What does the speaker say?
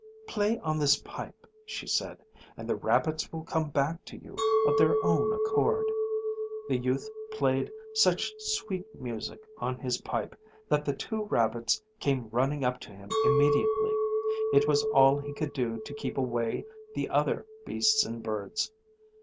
"Play on this pipe," she said, "and the rabbits will come back to you of their own accord." The youth played such sweet music on his pipe that the two rabbits came running up to him immediately. It was all he could do to keep away the other beasts and birds.